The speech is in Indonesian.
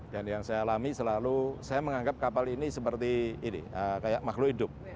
dan yang saya alami selalu saya menganggap kapal ini seperti ini kayak makhluk hidup